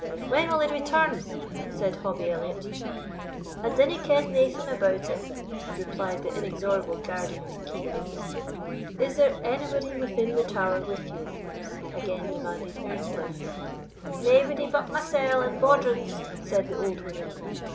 "When will he return?" said Hobbie Elliot. "I dinna ken naething about it," replied the inexorable guardian of the keep. "Is there anybody within the tower with you?" again demanded Earnscliff. "Naebody but mysell and baudrons," said the old woman.